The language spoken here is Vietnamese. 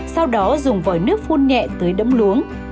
sau đó dùng vòi nước phun nhẹ tới đẫm luống